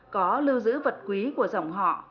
có lưu giữ vật quý của dòng họ